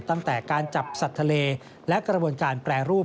ตั้งแต่การจับสัตว์ทะเลและกระบวนการแปรรูป